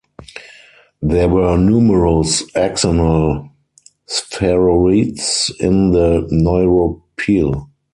There were numerous axonal spheroids in the neuropil.